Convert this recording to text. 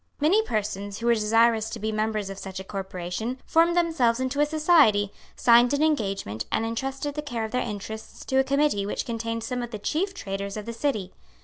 Many persons who were desirous to be members of such a corporation, formed themselves into a society, signed an engagement, and entrusted the care of their interests to a committee which contained some of the chief traders of the City.